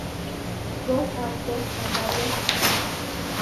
Dos actos con varias escenas.